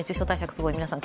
すごい皆さん